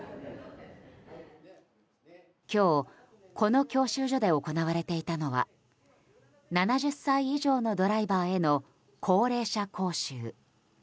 今日、この教習所で行われていたのは７０歳以上のドライバーへの高齢者講習。